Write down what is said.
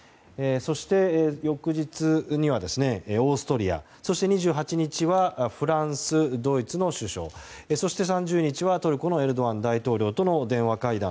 そして、翌日にはオーストリアそして２８日はフランス、ドイツの首相そして３０日にはトルコのエルドアン大統領との電話会談。